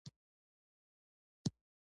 نږدې وه چې بې کنتروله شم او ور منډه کړم